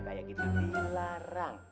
kayak gitu dilarang